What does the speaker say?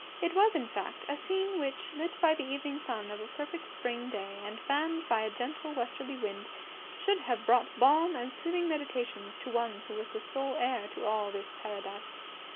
It was, in fact, a scene which, lit by the evening sun of a perfect spring day and fanned by a gentle westerly wind, should have brought balm and soothing meditations to one who was the sole heir to all this Paradise.